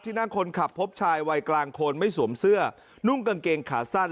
นั่งคนขับพบชายวัยกลางคนไม่สวมเสื้อนุ่งกางเกงขาสั้น